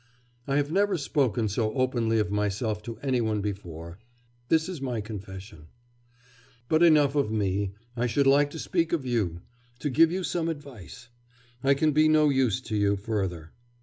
'I have never spoken so openly of myself to any one before this is my confession. 'But enough of me. I should like to speak of you, to give you some advice; I can be no use to you further....